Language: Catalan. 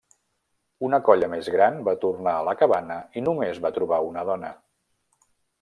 Una colla més gran va tornar a la cabana i només va trobar una dona.